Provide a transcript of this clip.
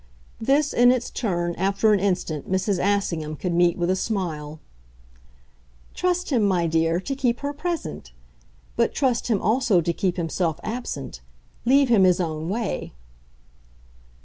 This, in its turn, after an instant, Mrs. Assingham could meet with a smile. "Trust him, my dear, to keep her present! But trust him also to keep himself absent. Leave him his own way."